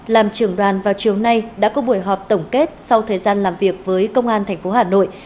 làm trưởng đoàn vào chiều nay đã có buổi họp tổng kết sau thời gian làm việc với công an tp hà nội